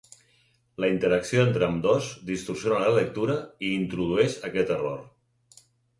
La interacció entre ambdós distorsiona la lectura i introdueix aquest error.